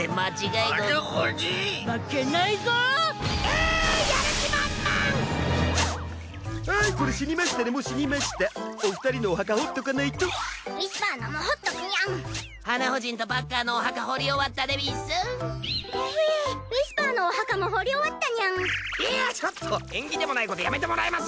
いやちょっと縁起でもないことやめてもらえます？